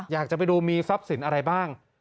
อยากจะไปดูมีทรัพย์สินอะไรบ้าง